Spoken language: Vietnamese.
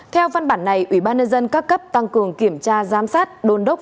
theo văn bản này ủy ban nhân dân các cấp tăng cường kiểm tra giám sát đôn đốc